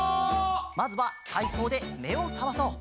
まずはたいそうでめをさまそう。